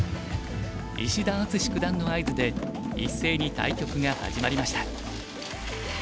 石田篤志九段の合図で一斉に対局が始まりました。